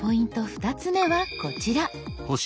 ２つ目はこちら。